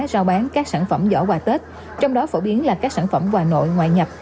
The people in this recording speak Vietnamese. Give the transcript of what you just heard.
giao bán các sản phẩm giỏ quà tết trong đó phổ biến là các sản phẩm quà nội ngoại nhập